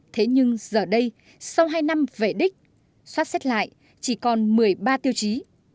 thế nhưng giờ đây sau hai năm vẻ đích xoát xét lại chỉ còn một mươi ba tiêu chí